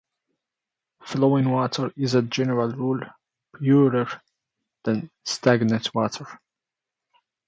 Flowing water is as a general rule purer than stagnant water.